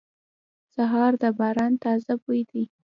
سهار د باران تازه بوی دی.